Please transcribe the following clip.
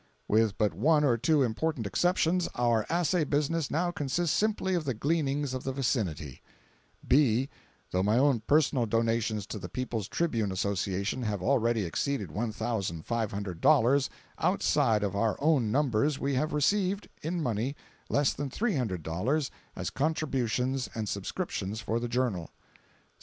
With but one or two important exceptions, our assay business now consists simply of the gleanings of the vicinity. (b) Though my own personal donations to the People's Tribune Association have already exceeded $1,500, outside of our own numbers we have received (in money) less than $300 as contributions and subscriptions for the journal.